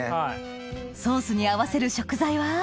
ソースに合わせる食材は？